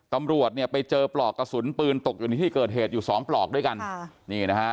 ตำรวจไปเจอปลอกกระสุนปืนตกอยู่ในที่เกิดเหตุอยู่๒ปลอกด้วยกัน